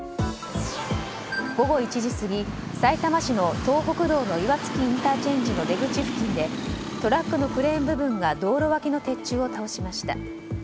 午後１時過ぎさいたま市の東北道の岩槻ＩＣの出口付近でトラックのクレーン部分が道路脇の鉄柱を倒しました。